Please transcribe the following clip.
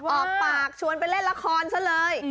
ออกปากชวนไปเล่นละครซะเลย